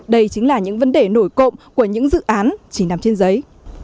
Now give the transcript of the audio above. đây chính là những vấn đề nổi cộng của những dự án chỉ nằm trên giấy